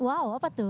wow apa tuh